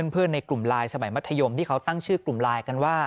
เพื่อนในกลุ่มลายสมัยมัธยมที่เขาตั้งชื่อกลุ่มลายกันว่า